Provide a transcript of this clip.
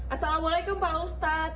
assalamualaikum pak ustadz